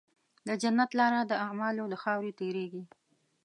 د جنت لاره د اعمالو له خاورې تېرېږي.